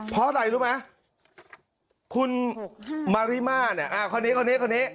เพราะใดรู้ไหมคุณมาริมาเนี่ยข้อนี้ข้อนี้ข้อนี้